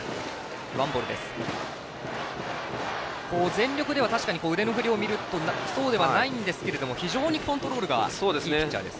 全力では確かに腕の振りを見るときそうではないんですけど非常にコントロールがいいピッチャーです。